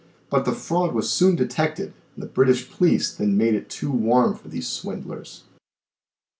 But the fraud was soon detected and the British police then made it too warm for these swindlers.